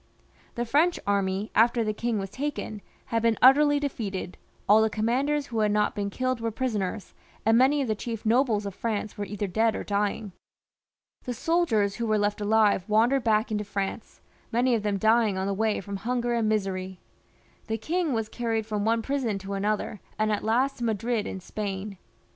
The French army, after the king was taken, had been utterly defeated, all the commanders who had not been killed were prisoners, and many of the chief nobles of France were either dead or dying. The soldiers who were left alive wandered back into France, many of them dying on the way from hunger and misery. The king was carried from one prison to another, and at last to Madrid in Spain.